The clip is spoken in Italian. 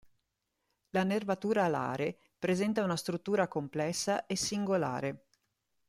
La nervatura alare presenta una struttura complessa e singolare.